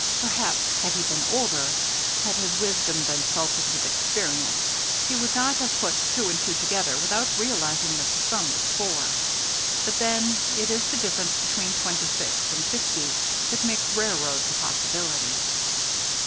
Perhaps had he been older, had his wisdom been salted with experience, he would not have put two and two together without realizing that the sum was four; but then, it is the difference between twenty six and fifty that makes railroads a possibility.